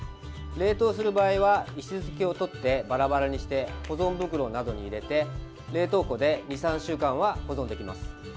冷凍する場合は石突きを取ってバラバラにして保存袋などに入れて冷凍庫で２３週間は保存できます。